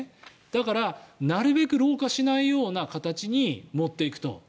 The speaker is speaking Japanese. だからなるべく老化しないような形に持っていくと。